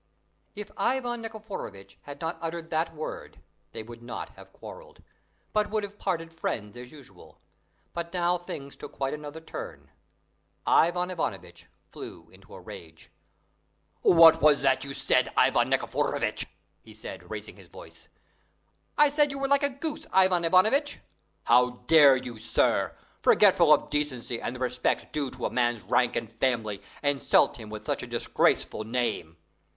If Ivan Nikiforovitch had not uttered that word they would not have quarrelled, but would have parted friends as usual; but now things took quite another turn. Ivan Ivanovitch flew into a rage. "What was that you said, Ivan Nikiforovitch?" he said, raising his voice. "I said you were like a goose, Ivan Ivanovitch!" "How dare you, sir, forgetful of decency and the respect due to a man's rank and family, insult him with such a disgraceful name!"